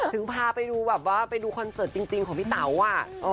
ถึงพาไปดูคอนเซิร์ตจริงของพี่เต๋าว่า